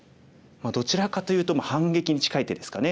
どちらかというと反撃に近い手ですかね。